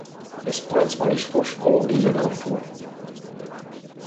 Je spojen s malířskou školou v Düsseldorfu.